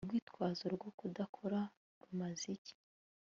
Urwitwazo rwo kudakora rumaze iki